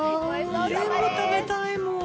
全部食べたいもん。